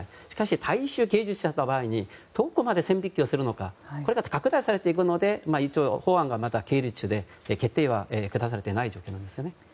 しかし大衆芸術の場合どこまで線引きするのかこれが拡大されていくので法案がまだ審理中で決定は下されていない状況なんです。